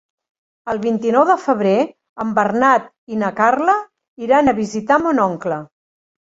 El vint-i-nou de febrer en Bernat i na Carla iran a visitar mon oncle.